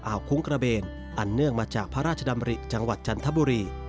คุ้งกระเบนอันเนื่องมาจากพระราชดำริจังหวัดจันทบุรี